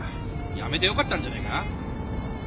やめてよかったんじゃねえか？